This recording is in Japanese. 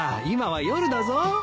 今は夜だぞ。